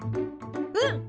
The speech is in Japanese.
うん！